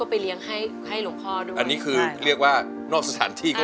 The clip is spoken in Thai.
อันนี้คือเรียกว่า